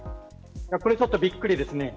これは、ちょっとびっくりですね。